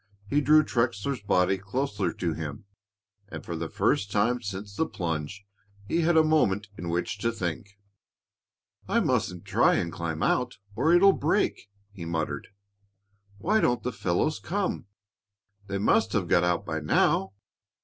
He drew Trexler's body closer to him, and for the first time since the plunge he had a moment in which to think. "I mustn't try and climb out or it'll break," he muttered. "Why don't the fellows come? They must have got out by now."